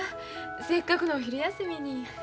せっかくのお昼休みに。